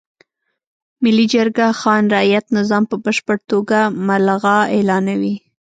ملي جرګه خان رعیت نظام په بشپړه توګه ملغا اعلانوي.